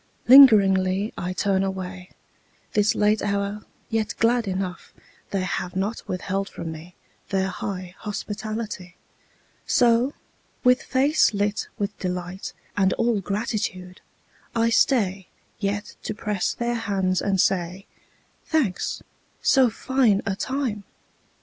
Lingeringly I turn away, This late hour, yet glad enough They have not withheld from me Their high hospitality. So, with face lit with delight And all gratitude, I stay Yet to press their hands and say, "Thanks. So fine a time